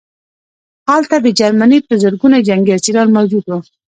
هلته د جرمني په زرګونه جنګي اسیران موجود وو